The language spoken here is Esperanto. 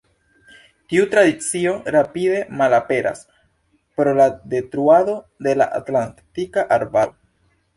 Tiu tradicio rapide malaperas pro la detruado de la atlantika arbaro.